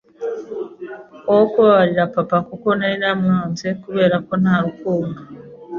wo kubabarira papa kuko nari naramwanze kubera ko nta Rukundo